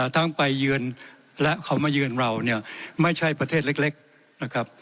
ทั้งไปเยือนและเขามาเยือนเราเนี่ยไม่ใช่ประเทศเล็กนะครับ